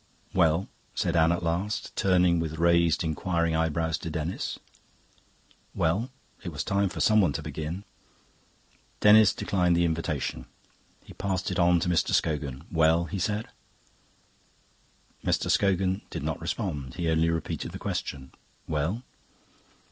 "Well?" said Anne at last, turning with raised inquiring eyebrows to Denis. "Well?" It was time for someone to begin. Denis declined the invitation; he passed it on to Mr Scogan. "Well?" he said. Mr. Scogan did not respond; he only repeated the question, "Well?"